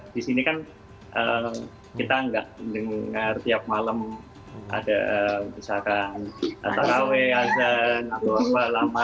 di sini kan kita nggak mendengar tiap malam ada misalkan taraweh azan atau apa lama